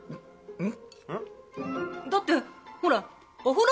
うん？